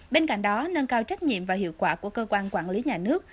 bên cạnh đó nâng cao trách nhiệm và hiệu quả của cơ quan quản lý nhà nước